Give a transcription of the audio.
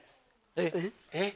えっ？